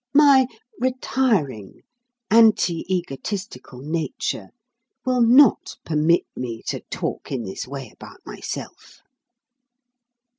My retiring, anti egotistical nature will not permit me to talk in this way about myself."